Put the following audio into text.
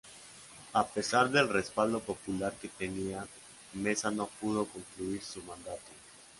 A pesar del respaldo popular que tenía, Mesa no pudo concluir su mandato.